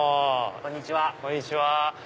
こんにちは。